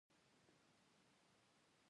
د حیواناتو د واکسین پر وخت غفلت ستونزې زیاتوي.